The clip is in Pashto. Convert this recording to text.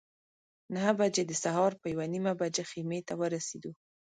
نهه بجې د سهار په یوه نیمه بجه خیمې ته ورسېدو.